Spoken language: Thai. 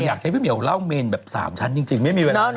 อยากให้พี่เหี่ยวเล่าเมนแบบ๓ชั้นจริงไม่มีเวลาเลย